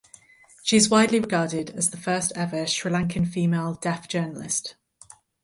She is widely regarded as the first ever Sri Lankan female deaf journalist.